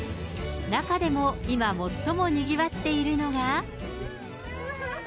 中でも今、最もにぎわっているのが。